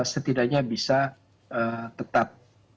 setidaknya bisa tetap